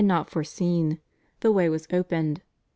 not foreseen. The way was opened.